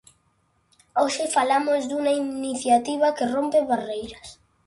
Hoxe falamos dunha iniciativa que rompe barreiras.